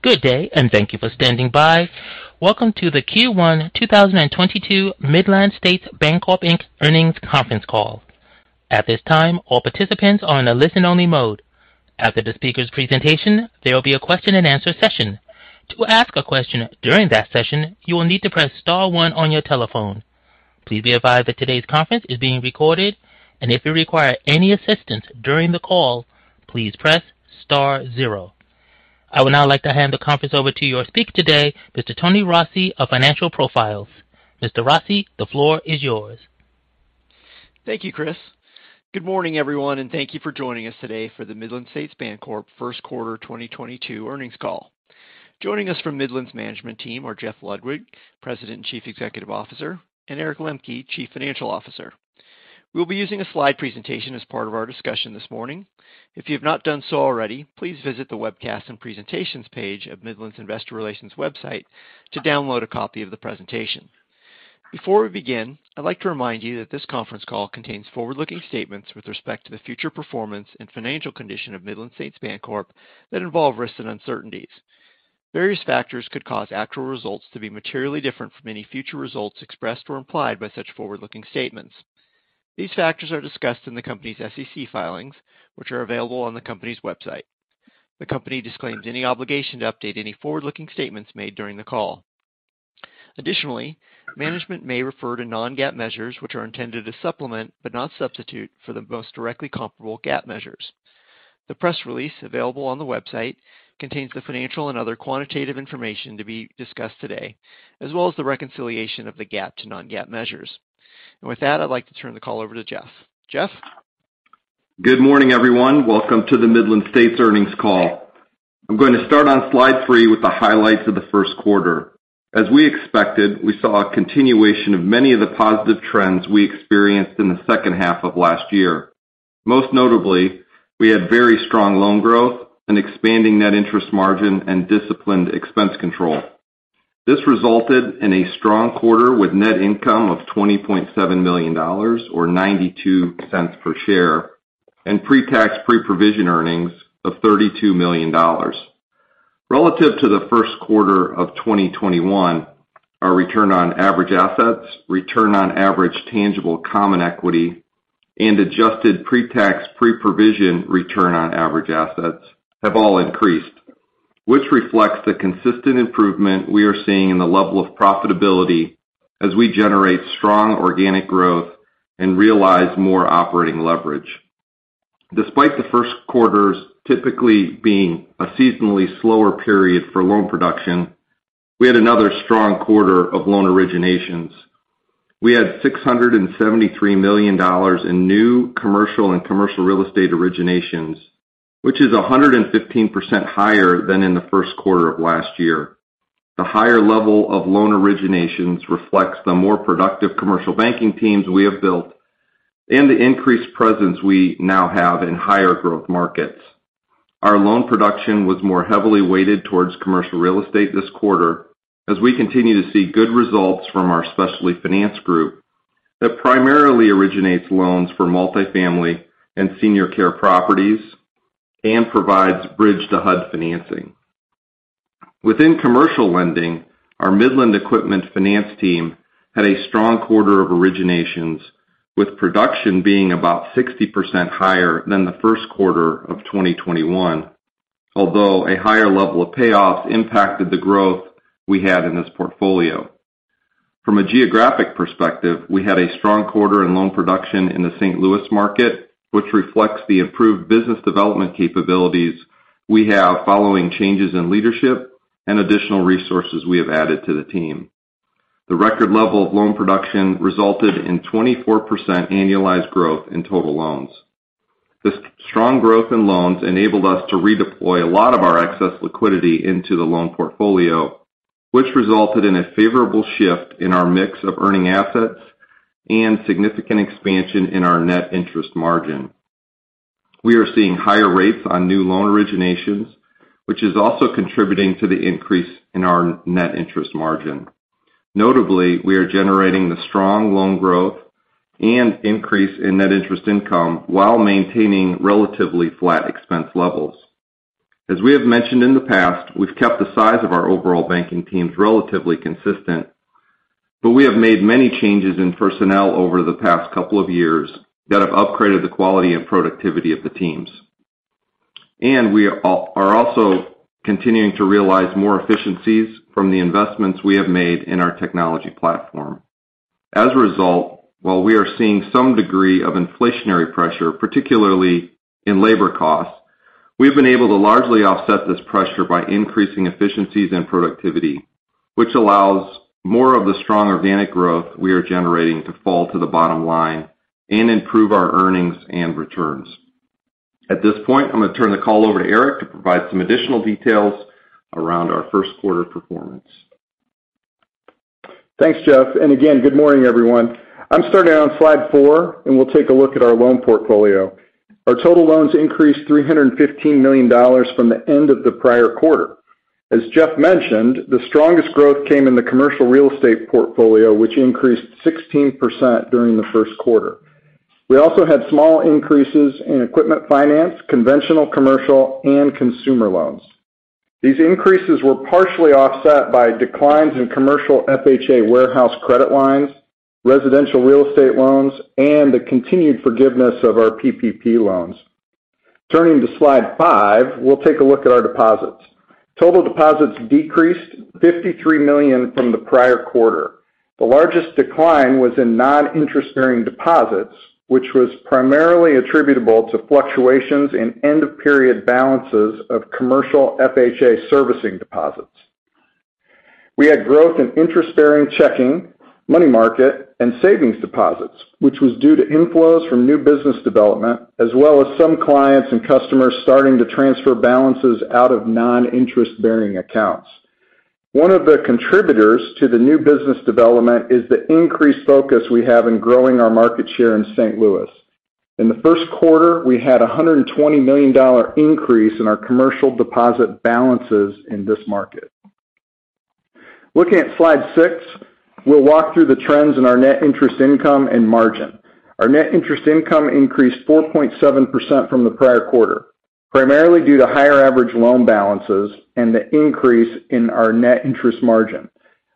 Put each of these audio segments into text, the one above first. Good day, and thank you for standing by. Welcome to the Q1 2022 Midland States Bancorp, Inc. earnings conference call. At this time, all participants are in a listen-only mode. After the speaker's presentation, there will be a question-and-answer session. To ask a question during that session, you will need to press star one on your telephone. Please be advised that today's conference is being recorded, and if you require any assistance during the call, please press star zero. I would now like to hand the conference over to your speaker today, Mr. Tony Rossi of Financial Profiles. Mr. Rossi, the floor is yours. Thank you, Chris. Good morning, everyone, and thank you for joining us today for the Midland States Bancorp first quarter 2022 earnings call. Joining us from Midland's management team are Jeff Ludwig, President and Chief Executive Officer, and Eric Lemke, Chief Financial Officer. We'll be using a slide presentation as part of our discussion this morning. If you have not done so already, please visit the Webcasts and Presentations page of Midland's Investor Relations website to download a copy of the presentation. Before we begin, I'd like to remind you that this conference call contains forward-looking statements with respect to the future performance and financial condition of Midland States Bancorp that involve risks and uncertainties. Various factors could cause actual results to be materially different from any future results expressed or implied by such forward-looking statements. These factors are discussed in the company's SEC filings, which are available on the company's website. The company disclaims any obligation to update any forward-looking statements made during the call. Additionally, management may refer to non-GAAP measures, which are intended to supplement, but not substitute, for the most directly comparable GAAP measures. The press release available on the website contains the financial and other quantitative information to be discussed today, as well as the reconciliation of the GAAP to non-GAAP measures. With that, I'd like to turn the call over to Jeff. Jeff? Good morning, everyone. Welcome to the Midland States earnings call. I'm going to start on slide three with the highlights of the first quarter. As we expected, we saw a continuation of many of the positive trends we experienced in the second half of last year. Most notably, we had very strong loan growth, an expanding net interest margin, and disciplined expense control. This resulted in a strong quarter with net income of $20.7 million or $0.92 per share and pre-tax, pre-provision earnings of $32 million. Relative to the first quarter of 2021, our return on average assets, return on average tangible common equity, and adjusted pre-tax, pre-provision return on average assets have all increased, which reflects the consistent improvement we are seeing in the level of profitability as we generate strong organic growth and realize more operating leverage. Despite the first quarters typically being a seasonally slower period for loan production, we had another strong quarter of loan originations. We had $673 million in new commercial and commercial real estate originations, which is 115% higher than in the first quarter of last year. The higher level of loan originations reflects the more productive commercial banking teams we have built and the increased presence we now have in higher growth markets. Our loan production was more heavily weighted towards commercial real estate this quarter as we continue to see good results from our specialty finance group that primarily originates loans for multifamily and senior care properties and provides bridge-to-HUD financing. Within commercial lending, our Midland Equipment Finance team had a strong quarter of originations, with production being about 60% higher than the first quarter of 2021, although a higher level of payoffs impacted the growth we had in this portfolio. From a geographic perspective, we had a strong quarter in loan production in the St. Louis market, which reflects the improved business development capabilities we have following changes in leadership and additional resources we have added to the team. The record level of loan production resulted in 24% annualized growth in total loans. The strong growth in loans enabled us to redeploy a lot of our excess liquidity into the loan portfolio, which resulted in a favorable shift in our mix of earning assets and significant expansion in our net interest margin. We are seeing higher rates on new loan originations, which is also contributing to the increase in our net interest margin. Notably, we are generating the strong loan growth and increase in net interest income while maintaining relatively flat expense levels. As we have mentioned in the past, we've kept the size of our overall banking teams relatively consistent, but we have made many changes in personnel over the past couple of years that have upgraded the quality and productivity of the teams. We are also continuing to realize more efficiencies from the investments we have made in our technology platform. As a result, while we are seeing some degree of inflationary pressure, particularly in labor costs, we've been able to largely offset this pressure by increasing efficiencies and productivity, which allows more of the strong organic growth we are generating to fall to the bottom line and improve our earnings and returns. At this point, I'm gonna turn the call over to Eric to provide some additional details around our first quarter performance. Thanks, Jeff, and again, good morning, everyone. I'm starting on slide four, and we'll take a look at our loan portfolio. Our total loans increased $315 million from the end of the prior quarter. As Jeff mentioned, the strongest growth came in the commercial real estate portfolio, which increased 16% during the first quarter. We also had small increases in equipment finance, conventional commercial, and consumer loans. These increases were partially offset by declines in commercial FHA warehouse credit lines, residential real estate loans, and the continued forgiveness of our PPP loans. Turning to slide five, we'll take a look at our deposits. Total deposits decreased $53 million from the prior quarter. The largest decline was in non-interest-bearing deposits, which was primarily attributable to fluctuations in end-of-period balances of commercial FHA servicing deposits. We had growth in interest-bearing checking, money market, and savings deposits, which was due to inflows from new business development, as well as some clients and customers starting to transfer balances out of non-interest-bearing accounts. One of the contributors to the new business development is the increased focus we have in growing our market share in St. Louis. In the first quarter, we had a $120 million increase in our commercial deposit balances in this market. Looking at slide six, we'll walk through the trends in our net interest income and margin. Our net interest income increased 4.7% from the prior quarter, primarily due to higher average loan balances and the increase in our net interest margin.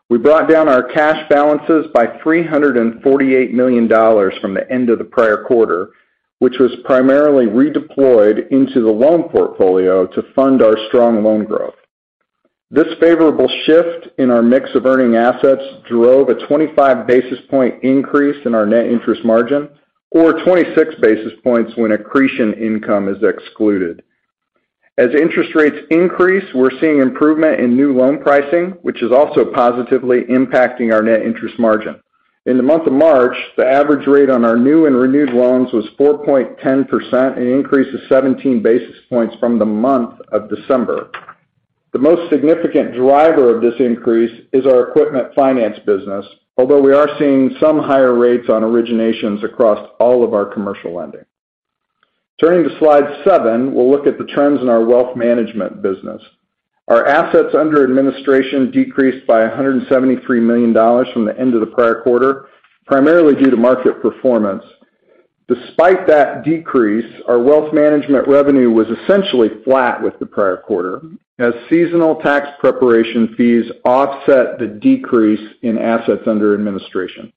We brought down our cash balances by $348 million from the end of the prior quarter, which was primarily redeployed into the loan portfolio to fund our strong loan growth. This favorable shift in our mix of earning assets drove a 25 basis points increase in our net interest margin, or 26 basis points when accretion income is excluded. As interest rates increase, we're seeing improvement in new loan pricing, which is also positively impacting our net interest margin. In the month of March, the average rate on our new and renewed loans was 4.10%, an increase of 17 basis points from the month of December. The most significant driver of this increase is our equipment finance business, although we are seeing some higher rates on originations across all of our commercial lending. Turning to slide seven, we'll look at the trends in our wealth management business. Our assets under administration decreased by $173 million from the end of the prior quarter, primarily due to market performance. Despite that decrease, our wealth management revenue was essentially flat with the prior quarter as seasonal tax preparation fees offset the decrease in assets under administration.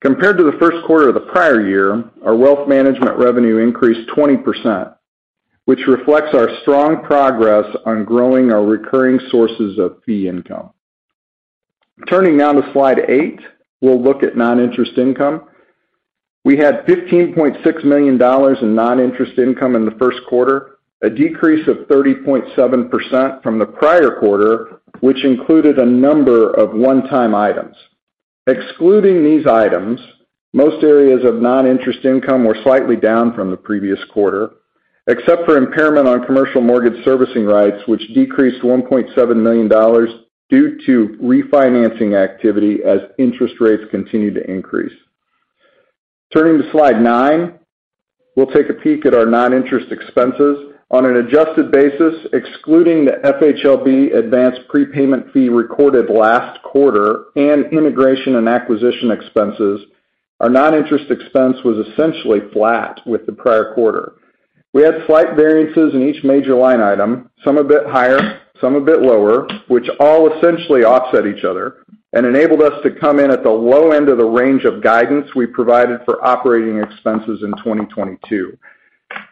Compared to the first quarter of the prior year, our wealth management revenue increased 20%, which reflects our strong progress on growing our recurring sources of fee income. Turning now to slide eight, we'll look at non-interest income. We had $15.6 million in non-interest income in the first quarter, a decrease of 30.7% from the prior quarter, which included a number of one-time items. Excluding these items, most areas of non-interest income were slightly down from the previous quarter, except for impairment on commercial mortgage servicing rights, which decreased $1.7 million due to refinancing activity as interest rates continue to increase. Turning to slide nine, we'll take a peek at our non-interest expenses. On an adjusted basis, excluding the FHLB advanced prepayment fee recorded last quarter and integration and acquisition expenses, our non-interest expense was essentially flat with the prior quarter. We had slight variances in each major line item, some a bit higher, some a bit lower, which all essentially offset each other and enabled us to come in at the low end of the range of guidance we provided for operating expenses in 2022.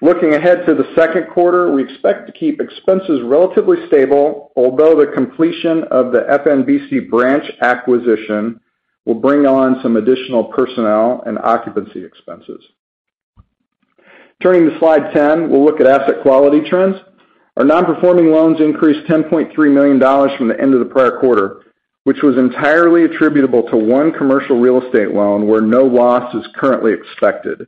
Looking ahead to the second quarter, we expect to keep expenses relatively stable, although the completion of the FNBC branch acquisition will bring on some additional personnel and occupancy expenses. Turning to slide 10, we'll look at asset quality trends. Our non-performing loans increased $10.3 million from the end of the prior quarter, which was entirely attributable to one commercial real estate loan where no loss is currently expected.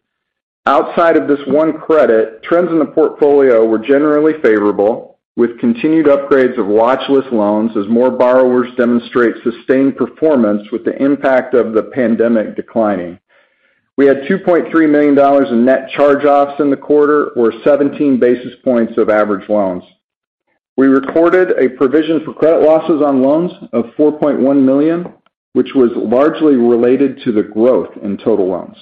Outside of this one credit, trends in the portfolio were generally favorable, with continued upgrades of watchlist loans as more borrowers demonstrate sustained performance with the impact of the pandemic declining. We had $2.3 million in net charge-offs in the quarter, or 17 basis points of average loans. We recorded a provision for credit losses on loans of $4.1 million, which was largely related to the growth in total loans.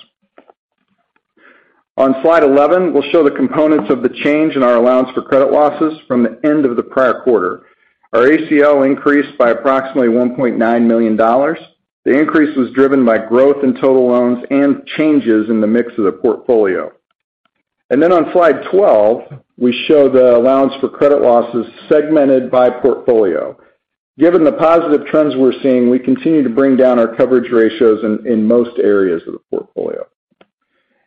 On slide 11, we'll show the components of the change in our allowance for credit losses from the end of the prior quarter. Our ACL increased by approximately $1.9 million. The increase was driven by growth in total loans and changes in the mix of the portfolio. On slide 12, we show the allowance for credit losses segmented by portfolio. Given the positive trends we're seeing, we continue to bring down our coverage ratios in most areas of the portfolio.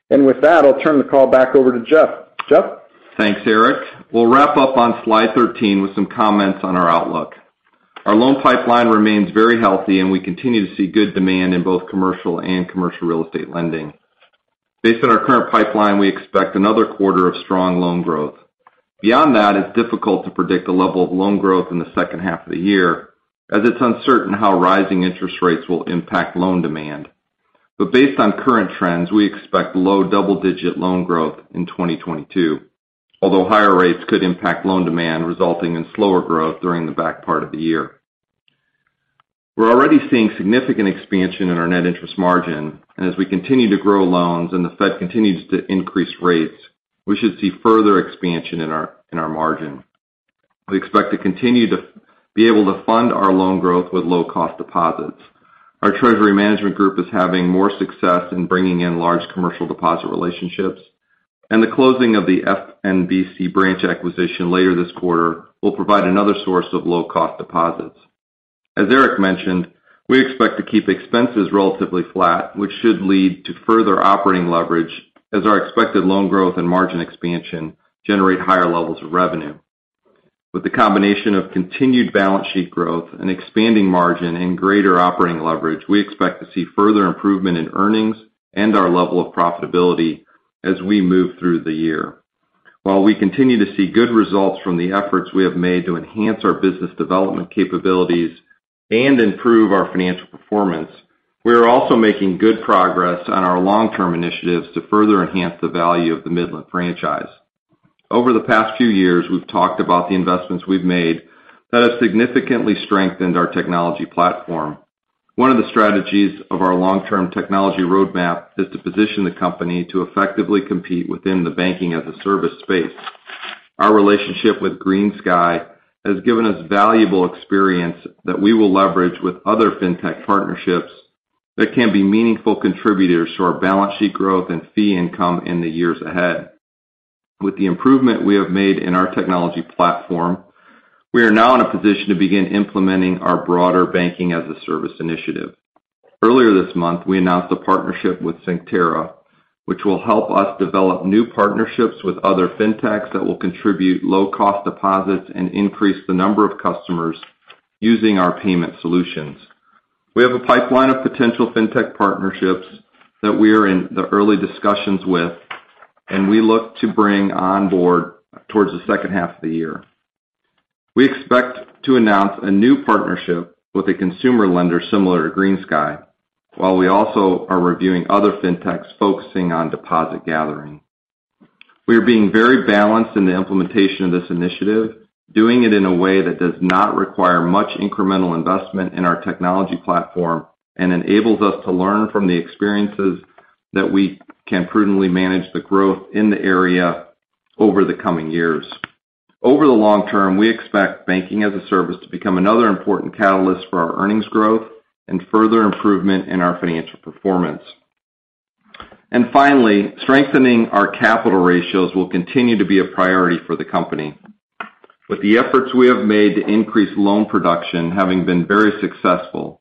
With that, I'll turn the call back over to Jeff. Jeff? Thanks, Eric. We'll wrap up on slide 13 with some comments on our outlook. Our loan pipeline remains very healthy, and we continue to see good demand in both commercial and commercial real estate lending. Based on our current pipeline, we expect another quarter of strong loan growth. Beyond that, it's difficult to predict the level of loan growth in the second half of the year, as it's uncertain how rising interest rates will impact loan demand. Based on current trends, we expect low double-digit loan growth in 2022, although higher rates could impact loan demand, resulting in slower growth during the back part of the year. We're already seeing significant expansion in our net interest margin. As we continue to grow loans and the Fed continues to increase rates, we should see further expansion in our margin. We expect to continue to be able to fund our loan growth with low cost deposits. Our treasury management group is having more success in bringing in large commercial deposit relationships, and the closing of the FNBC branch acquisition later this quarter will provide another source of low cost deposits. As Eric mentioned, we expect to keep expenses relatively flat, which should lead to further operating leverage as our expected loan growth and margin expansion generate higher levels of revenue. With the combination of continued balance sheet growth and expanding margin and greater operating leverage, we expect to see further improvement in earnings and our level of profitability as we move through the year. While we continue to see good results from the efforts we have made to enhance our business development capabilities and improve our financial performance, we are also making good progress on our long-term initiatives to further enhance the value of the Midland franchise. Over the past few years, we've talked about the investments we've made that have significantly strengthened our technology platform. One of the strategies of our long-term technology roadmap is to position the company to effectively compete within the banking-as-a-service space. Our relationship with GreenSky has given us valuable experience that we will leverage with other fintech partnerships that can be meaningful contributors to our balance sheet growth and fee income in the years ahead. With the improvement we have made in our technology platform, we are now in a position to begin implementing our broader banking-as-a-service initiative. Earlier this month, we announced a partnership with Synctera, which will help us develop new partnerships with other fintechs that will contribute low cost deposits and increase the number of customers using our payment solutions. We have a pipeline of potential fintech partnerships that we are in the early discussions with and we look to bring on board towards the second half of the year. We expect to announce a new partnership with a consumer lender similar to GreenSky, while we also are reviewing other fintechs focusing on deposit gathering. We are being very balanced in the implementation of this initiative, doing it in a way that does not require much incremental investment in our technology platform and enables us to learn from the experiences that we can prudently manage the growth in the area over the coming years. Over the long term, we expect banking-as-a-service to become another important catalyst for our earnings growth and further improvement in our financial performance. Finally, strengthening our capital ratios will continue to be a priority for the company. With the efforts we have made to increase loan production having been very successful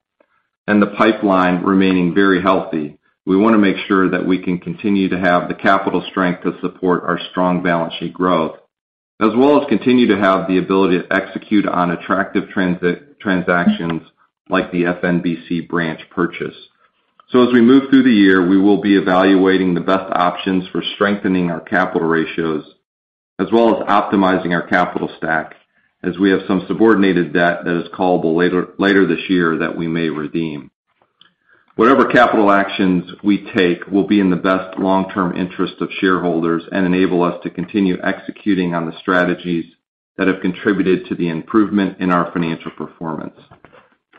and the pipeline remaining very healthy, we want to make sure that we can continue to have the capital strength to support our strong balance sheet growth, as well as continue to have the ability to execute on attractive transactions like the FNBC branch purchase. As we move through the year, we will be evaluating the best options for strengthening our capital ratios as well as optimizing our capital stack as we have some subordinated debt that is callable later this year that we may redeem. Whatever capital actions we take will be in the best long-term interest of shareholders and enable us to continue executing on the strategies that have contributed to the improvement in our financial performance.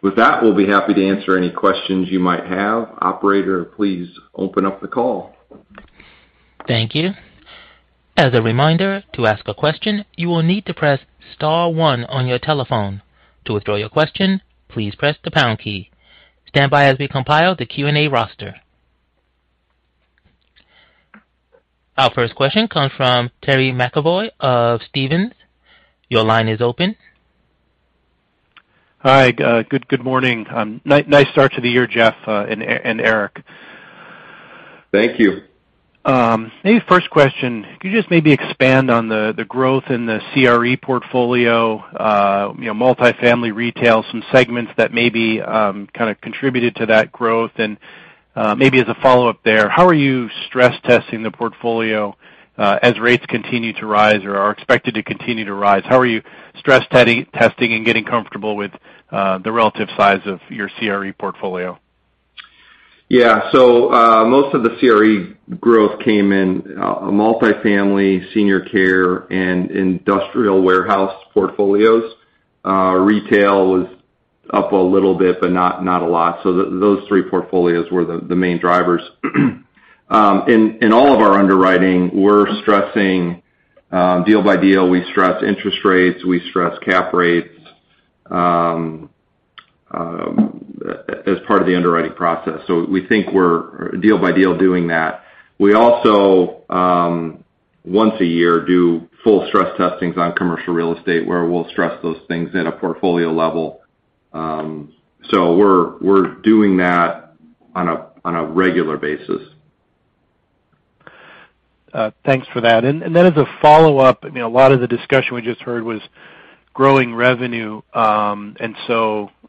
With that, we'll be happy to answer any questions you might have. Operator, please open up the call. Thank you. As a reminder, to ask a question, you will need to press star one on your telephone. To withdraw your question, please press the pound key. Stand by as we compile the Q&A roster. Our first question comes from Terry McEvoy of Stephens. Your line is open. Hi, good morning. Nice start to the year, Jeff, and Eric. Thank you. Maybe first question. Could you just maybe expand on the growth in the CRE portfolio, you know, multifamily retail, some segments that maybe kind of contributed to that growth? Maybe as a follow-up there, how are you stress testing the portfolio as rates continue to rise or are expected to continue to rise? How are you stress testing and getting comfortable with the relative size of your CRE portfolio? Yeah. Most of the CRE growth came in multifamily, senior care, and industrial warehouse portfolios. Retail was up a little bit, but not a lot. Those three portfolios were the main drivers. In all of our underwriting, we're stressing deal by deal. We stress interest rates, we stress cap rates, as part of the underwriting process. We think we're deal by deal doing that. We also once a year do full stress testings on commercial real estate, where we'll stress those things at a portfolio level. We're doing that on a regular basis. Thanks for that. As a follow-up, I mean, a lot of the discussion we just heard was growing revenue.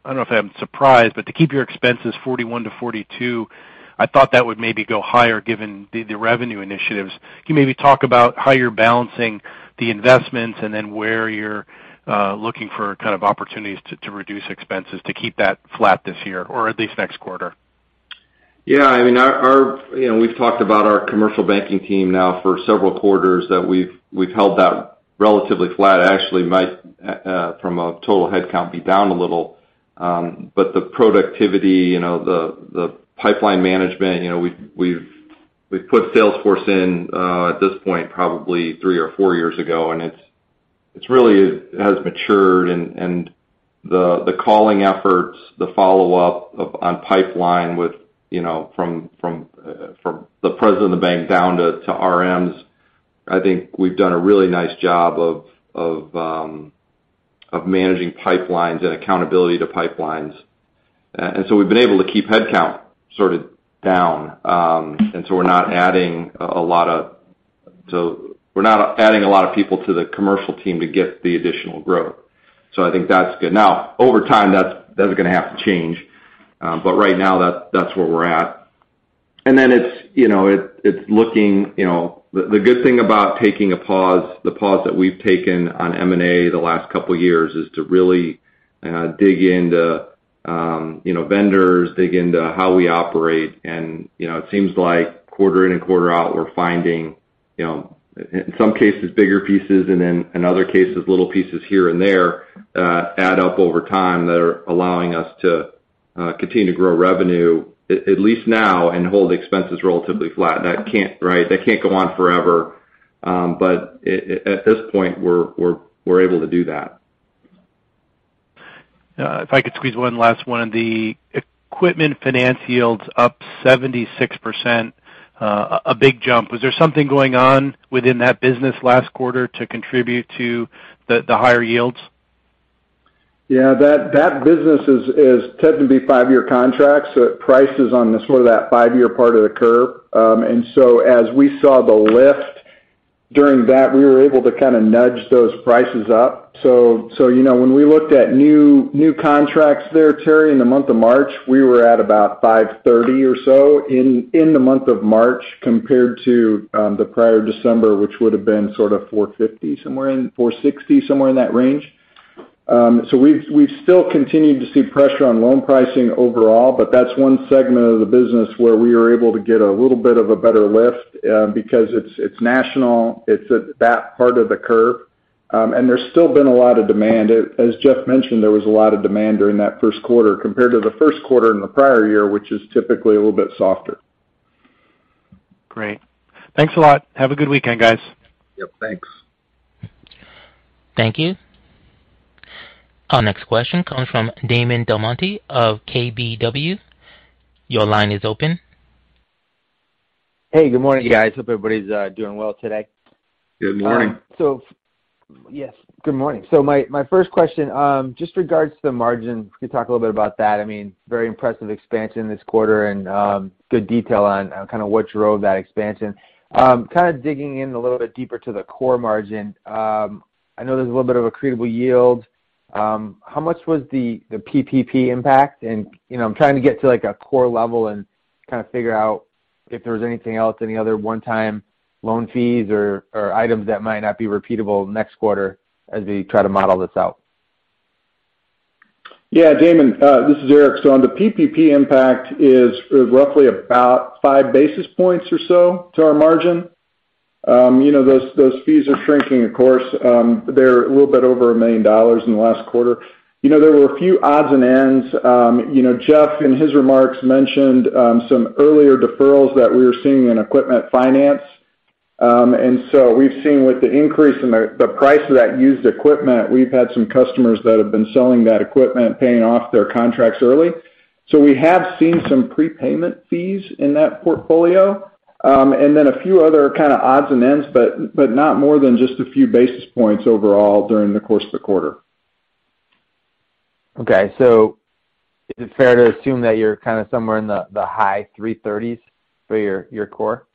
I don't know if I'm surprised, but to keep your expenses 41%-42%, I thought that would maybe go higher given the revenue initiatives. Can you maybe talk about how you're balancing the investments and then where you're looking for kind of opportunities to reduce expenses to keep that flat this year or at least next quarter? I mean, we've talked about our commercial banking team now for several quarters that we've held relatively flat. Actually, from a total headcount, might be down a little. But the productivity, you know, the pipeline management, we've put Salesforce in at this point probably three or four years ago, and it's really has matured and the calling efforts, the follow-up on pipeline with, you know, from the president of the bank down to RMs, I think we've done a really nice job of managing pipelines and accountability to pipelines. We've been able to keep headcount sort of down. We're not adding a lot of people to the commercial team to get the additional growth. I think that's good. Now, over time, that's gonna have to change, but right now that's where we're at. It's looking, you know. The good thing about taking a pause, the pause that we've taken on M&A the last couple years is to really dig into vendors, dig into how we operate. You know, it seems like quarter in and quarter out, we're finding, in some cases bigger pieces and then in other cases, little pieces here and there add up over time that are allowing us to continue to grow revenue at least now and hold expenses relatively flat. That can't go on forever, right. At this point, we're able to do that. If I could squeeze one last one. The equipment finance yields up 76%, a big jump. Was there something going on within that business last quarter to contribute to the higher yields? Yeah, that business tends to be five-year contracts. Prices on the sort of that five-year part of the curve. As we saw the lift during that, we were able to kinda nudge those prices up. You know, when we looked at new contracts there, Terry, in the month of March, we were at about 5.30% or so in the month of March compared to the prior December, which would've been sort of 4.50%, somewhere in 4.60%, somewhere in that range. We've still continued to see pressure on loan pricing overall, but that's one segment of the business where we are able to get a little bit of a better lift because it's national, it's at that part of the curve. There's still been a lot of demand. As Jeff mentioned, there was a lot of demand during that first quarter compared to the first quarter in the prior year, which is typically a little bit softer. Great. Thanks a lot. Have a good weekend, guys. Yep, thanks. Thank you. Our next question comes from Damon DelMonte of KBW. Your line is open. Hey, good morning, guys. Hope everybody's doing well today. Good morning. Yes, good morning. My first question just regards to the margin. Can you talk a little bit about that? I mean, very impressive expansion this quarter and good detail on kind of what drove that expansion. Kind of digging in a little bit deeper to the core margin. I know there's a little bit of accretable yield. How much was the PPP impact? I'm trying to get to like a core level and kind of figure out if there was anything else, any other one-time loan fees or items that might not be repeatable next quarter as we try to model this out. Yeah, Damon, this is Eric. On the PPP impact is roughly about five basis points or so to our margin. You know, those fees are shrinking, of course. They're a little bit over $1 million in the last quarter. There were a few odds and ends. Jeff, in his remarks, mentioned some earlier deferrals that we were seeing in equipment finance. We've seen with the increase in the price of that used equipment, we've had some customers that have been selling that equipment, paying off their contracts early. We have seen some prepayment fees in that portfolio. And then a few other kind of odds and ends, but not more than just a few basis points overall during the course of the quarter. Okay. Is it fair to assume that you're kind of somewhere in the high 3.30%s for your core?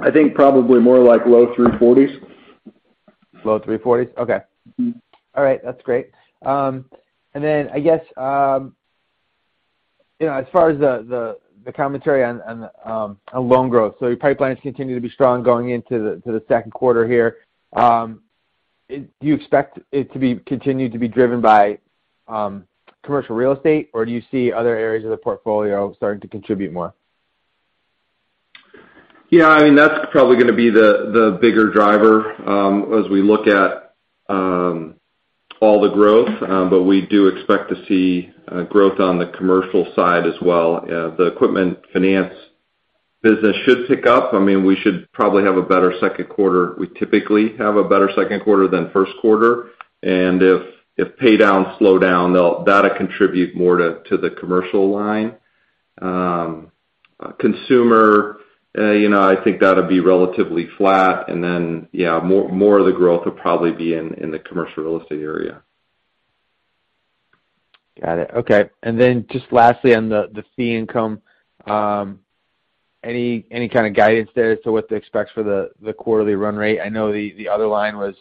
I think probably more like low 3.40%s. Low 3.40%s. Okay. All right. That's great. I guess, as far as the commentary on the loan growth. Your pipelines continue to be strong going into the second quarter here. Do you expect it to be continued to be driven by commercial real estate, or do you see other areas of the portfolio starting to contribute more? Yeah, I mean, that's probably gonna be the bigger driver as we look at all the growth. We do expect to see growth on the commercial side as well. The equipment finance business should pick up. I mean, we should probably have a better second quarter. We typically have a better second quarter than first quarter. If pay downs slow down, that'll contribute more to the commercial line. Consumer, I think that'll be relatively flat. Yeah, more of the growth will probably be in the commercial real estate area. Got it. Okay. Just lastly, on the fee income, any kind of guidance there to what to expect for the quarterly run rate? I know the other line was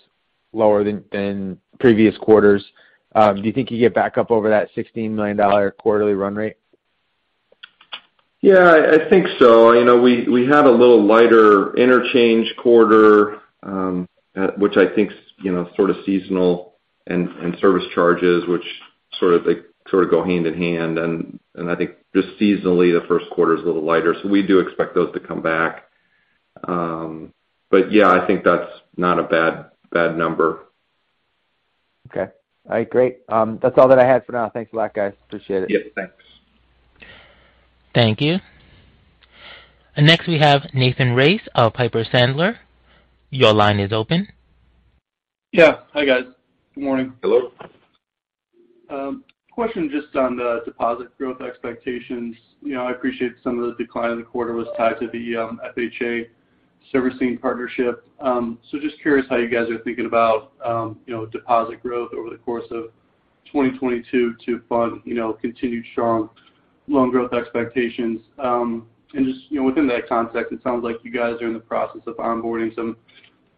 lower than previous quarters. Do you think you get back up over that $16 million quarterly run rate? Yeah, I think so. We had a little lighter interchange quarter, which I think is, sort of seasonal. Service charges, which sort of go hand in hand. I think just seasonally, the first quarter's a little lighter. We do expect those to come back. But yeah, I think that's not a bad number. Okay. All right, great. That's all that I had for now. Thanks a lot, guys. Appreciate it. Yes, thanks. Thank you. Next we have Nathan Race of Piper Sandler. Your line is open. Yeah. Hi, guys. Good morning. Hello. Question just on the deposit growth expectations. I appreciate some of the decline in the quarter was tied to the FHA servicing partnership. Just curious how you guys are thinking about deposit growth over the course of 2022 to fund continued strong loan growth expectations. Just within that context, it sounds like you guys are in the process of onboarding some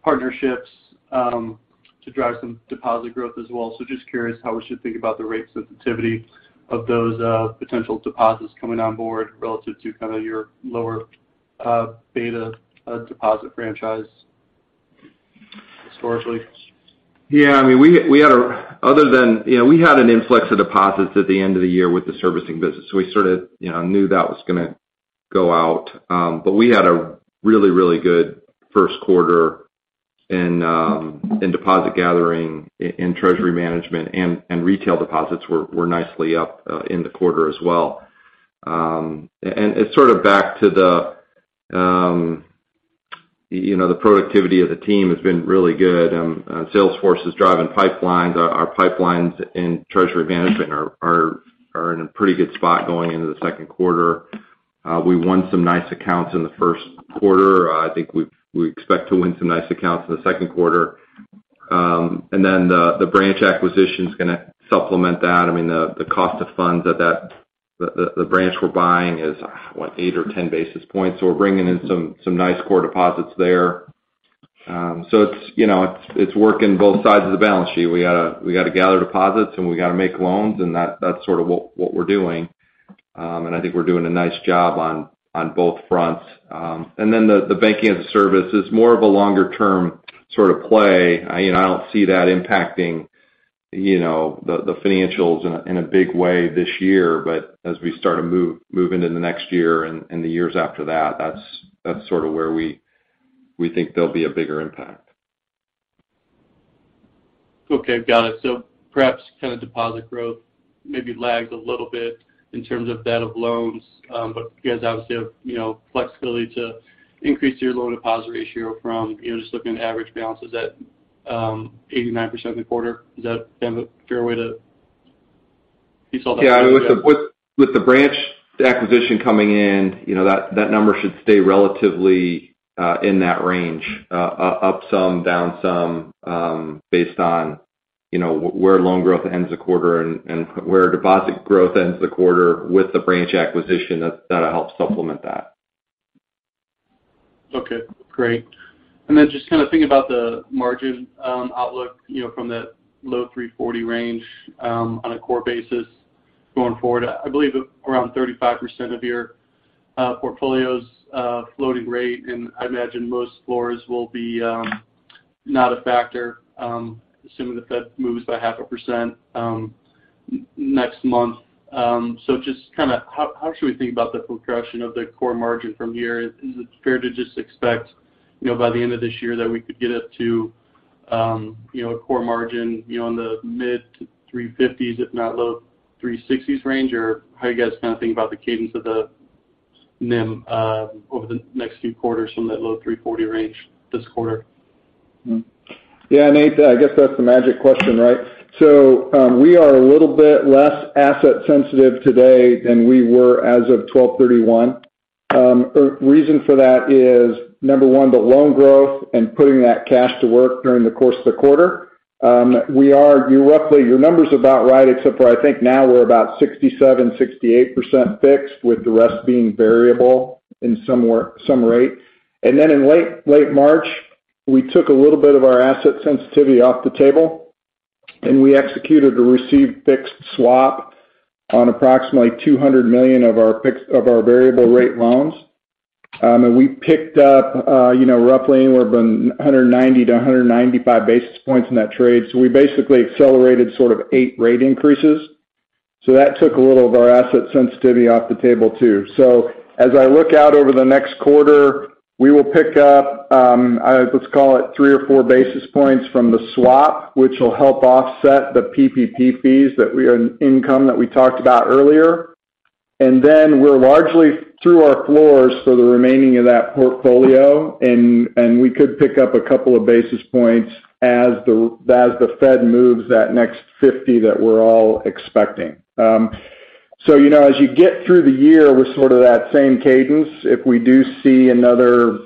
partnerships to drive some deposit growth as well. Just curious how we should think about the rate sensitivity of those potential deposits coming on board relative to kind of your lower beta deposit franchise historically. Yeah. I mean, other than, you know, we had an influx of deposits at the end of the year with the servicing business, so we sort of knew that was gonna go out. We had a really good first quarter in deposit gathering, in treasury management, and retail deposits were nicely up in the quarter as well. It's sort of back to the productivity of the team has been really good. Salesforce is driving pipelines. Our pipelines in treasury management are in a pretty good spot going into the second quarter. We won some nice accounts in the first quarter. I think we expect to win some nice accounts in the second quarter. The branch acquisition's gonna supplement that. The cost of funds at that branch we're buying is what, eight or 10 basis points, so we're bringing in some nice core deposits there. It's working both sides of the balance sheet. We gotta gather deposits, and we gotta make loans, and that's sort of what we're doing. I think we're doing a nice job on both fronts. The banking as a service is more of a longer term sort of play. I don't see that impacting the financials in a big way this year. As we start to move into the next year and the years after that's sort of where we think there'll be a bigger impact. Okay. Got it. Perhaps kind of deposit growth maybe lagged a little bit in terms of that of loans. But you guys obviously have flexibility to increase your loan deposit ratio from, you know, just looking at average balances at 89% in the quarter. Is that kind of a fair way to piece all that together? Yeah. I mean, with the branch acquisition coming in, that number should stay relatively in that range, up some, down some, based on where loan growth ends the quarter and where deposit growth ends the quarter with the branch acquisition. That'll help supplement that. Okay, great. Just kind of thinking about the margin outlook, you know, from that low 3.40% range, on a core basis going forward. I believe around 35% of your portfolio's floating rate, and I imagine most floors will be not a factor, assuming the Fed moves by 0.5%, next month. Just kinda how should we think about the progression of the core margin from here? Is it fair to just expect, you know, by the end of this year that we could get up to, you know, a core margin, you know, in the mid 3.50%s, if not low 3.60%s range? Or how are you guys kind of thinking about the cadence of the NIM over the next few quarters from that low 3.40% range this quarter? Yeah, Nate, I guess that's the magic question, right? We are a little bit less asset sensitive today than we were as of December 31. Reason for that is, number one, the loan growth and putting that cash to work during the course of the quarter. You roughly, your number's about right except for I think now we're about 67%-68% fixed, with the rest being variable in some rate. Then in late March, we took a little bit of our asset sensitivity off the table, and we executed a receive-fixed swap on approximately $200 million of our variable rate loans. We picked up roughly anywhere from 190 basis points-195 basis points in that trade. We basically accelerated sort of 8 rate increases. That took a little of our asset sensitivity off the table too. As I look out over the next quarter, we will pick up, let's call it 3 basis points or 4 basis points from the swap, which will help offset the PPP fees or income that we talked about earlier. Then we're largely through our floors for the remaining of that portfolio and we could pick up a couple of basis points as the Fed moves that next 50 basis points that we're all expecting. You know, as you get through the year with sort of that same cadence, if we do see another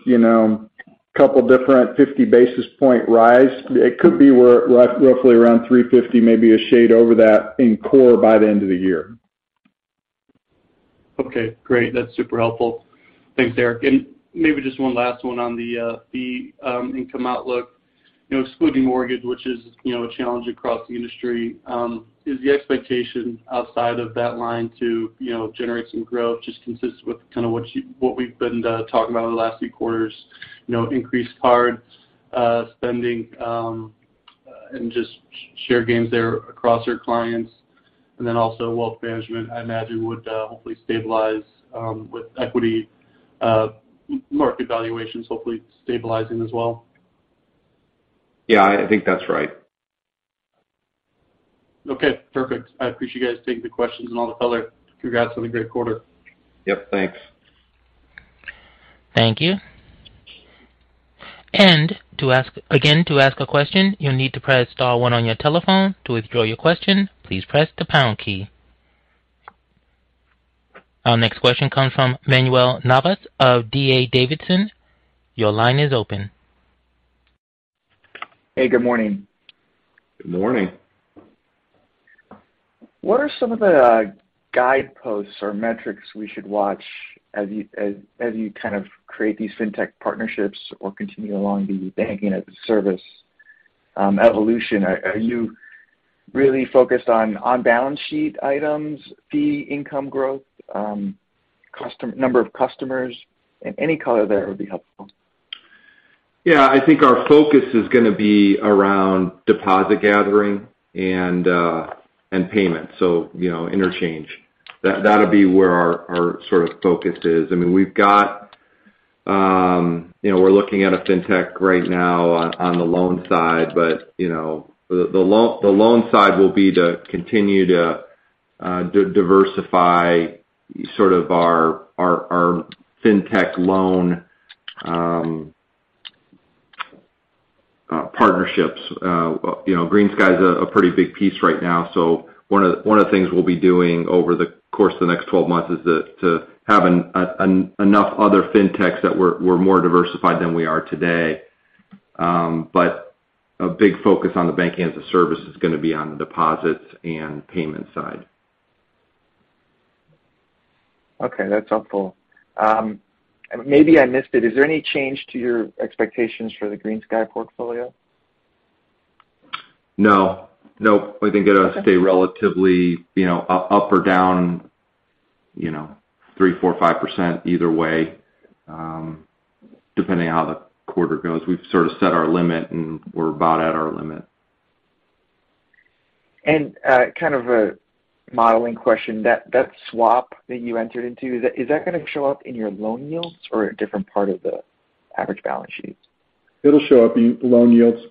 couple different 50 basis point rise, it could be we're roughly around 3.50%, maybe a shade over that in core by the end of the year. Okay, great. That's super helpful. Thanks, Eric. Maybe just one last one on the fee income outlook. Excluding mortgage, which is a challenge across the industry, is the expectation outside of that line to generate some growth just consistent with kind of what we've been talking about over the last few quarters? You know, increased cards spending. And just share gains there across your clients. Then also wealth management, I imagine, would hopefully stabilize with equity market valuations hopefully stabilizing as well. Yeah, I think that's right. Okay, perfect. I appreciate you guys taking the questions and all the color. Congrats on the great quarter. Yep, thanks. Thank you. To ask a question, you'll need to press star one on your telephone. To withdraw your question, please press the pound key. Our next question comes from Manuel Navas of D.A. Davidson. Your line is open. Hey, good morning. Good morning. What are some of the guideposts or metrics we should watch as you kind of create these fintech partnerships or continue along the banking-as-a-service evolution? Are you really focused on on-balance sheet items, fee income growth, number of customers? Any color there would be helpful. Yeah. I think our focus is gonna be around deposit gathering and payments, so, interchange. That'll be where our sort of focus is. I mean, we're looking at a fintech right now on the loan side, but, you know, the loan side will be to continue to diversify our fintech loan partnerships. You know, GreenSky's a pretty big piece right now. So one of the things we'll be doing over the course of the next 12 months is to have enough other fintechs that we're more diversified than we are today. But a big focus on the bank as a service is gonna be on the deposits and payment side. Okay, that's helpful. Maybe I missed it. Is there any change to your expectations for the GreenSky portfolio? No. Nope. I think it'll stay relatively, up or down, 3%, 4%, 5% either way, depending on how the quarter goes. We've sort of set our limit, and we're about at our limit. Kind of a modeling question. That swap that you entered into, is that gonna show up in your loan yields or a different part of the average balance sheet? It'll show up in loan yields.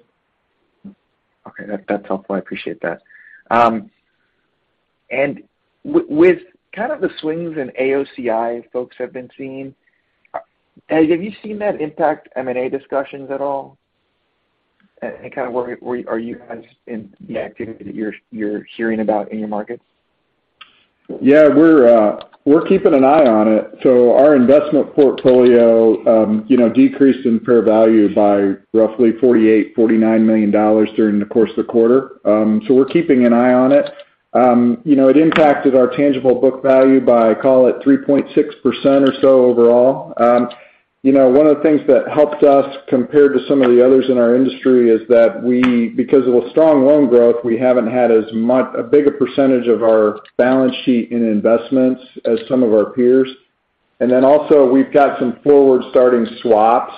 Okay. That's helpful. I appreciate that. With kind of the swings in AOCI folks have been seeing, have you seen that impact M&A discussions at all? Kind of, are you guys in the activity that you're hearing about in your markets? Yeah. We're keeping an eye on it. Our investment portfolio, you know, decreased in fair value by roughly $48 million-$49 million during the course of the quarter. We're keeping an eye on it. You know, it impacted our tangible book value by, call it, 3.6% or so overall. You know, one of the things that helped us compared to some of the others in our industry is that we, because of a strong loan growth, we haven't had a bigger percentage of our balance sheet in investments as some of our peers. Then also we've got some forward-starting swaps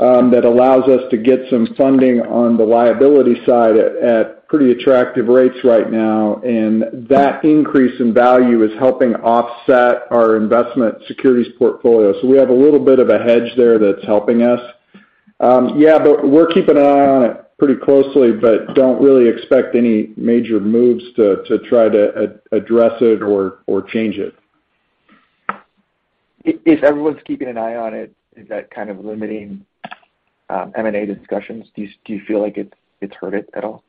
that allows us to get some funding on the liability side at pretty attractive rates right now. That increase in value is helping offset our investment securities portfolio. We have a little bit of a hedge there that's helping us. Yeah, we're keeping an eye on it pretty closely, but don't really expect any major moves to try to address it or change it. If everyone's keeping an eye on it, is that kind of limiting M&A discussions? Do you feel like it's hurt it at all?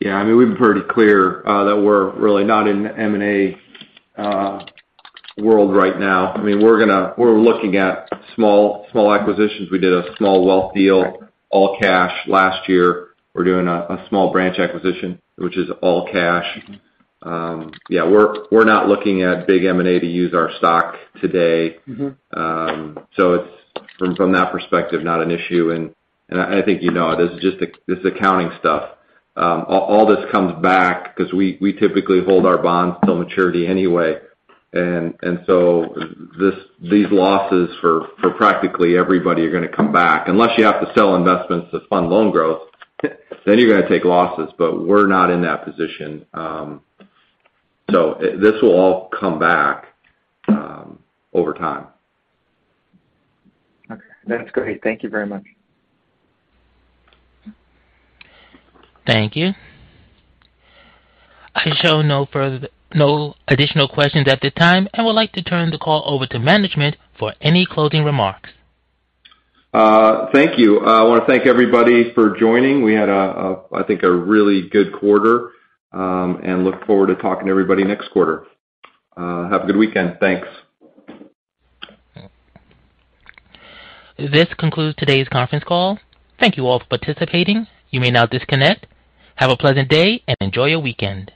Yeah, I mean, we've been pretty clear that we're really not in M&A world right now. I mean, we're looking at small acquisitions. We did a small wealth deal, all cash last year. We're doing a small branch acquisition, which is all cash. Yeah, we're not looking at big M&A to use our stock today. It's from that perspective, not an issue. I think, this is just accounting stuff. All this comes back 'cause we typically hold our bonds till maturity anyway. These losses for practically everybody are gonna come back. Unless you have to sell investments to fund loan growth, then you're gonna take losses, but we're not in that position. This will all come back over time. Okay. That's great. Thank you very much. Thank you. I show no additional questions at the time and would like to turn the call over to management for any closing remarks. Thank you. I wanna thank everybody for joining. We had, I think, a really good quarter and look forward to talking to everybody next quarter. Have a good weekend. Thanks. This concludes today's conference call. Thank you all for participating. You may now disconnect. Have a pleasant day, and enjoy your weekend.